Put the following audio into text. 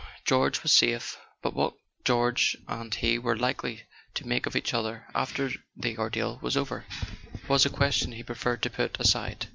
George was safe: but what George and he were likely to make of each other after the ordeal was over was a question he preferred to put aside.